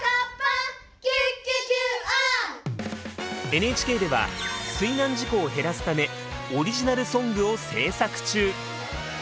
ＮＨＫでは水難事故を減らすためオリジナルソングを制作中！